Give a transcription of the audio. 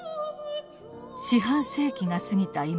四半世紀が過ぎた